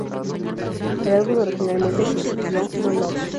El álbum originalmente se tituló "No Love".